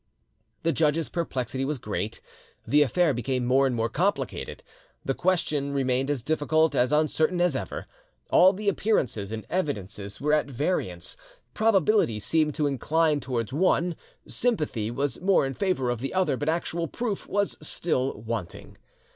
The judge's perplexity was great: the affair became more and more complicated, the question remained as difficult, as uncertain as ever. All the appearances and evidences were at variance; probability seemed to incline towards one, sympathy was more in favour of the other, but actual proof was still wanting.